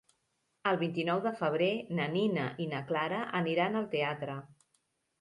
El vint-i-nou de febrer na Nina i na Clara aniran al teatre.